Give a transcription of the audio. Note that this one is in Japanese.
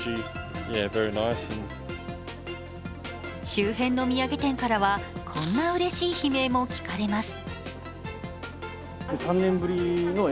周辺の土産店からは、こんなうれしい悲鳴も聞かれます。